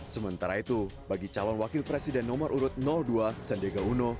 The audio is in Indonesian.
sementara itu bagi calon wakil presiden nomor urut dua sandiaga uno